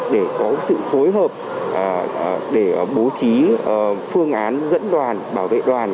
để có sự phối hợp để bố trí phương án dẫn đoàn bảo vệ đoàn